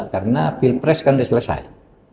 karena pilpres kan sudah selesai